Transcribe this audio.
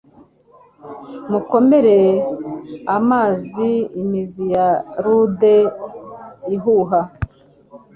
Mukomere amuzi imizi ya ruder ihuha